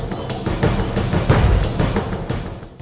โปรดติดตามตอนต่อไป